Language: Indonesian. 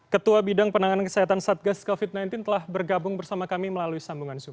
ketua bidang penanganan kesehatan satgas covid sembilan belas telah bergabung bersama kami melalui sambungan zoom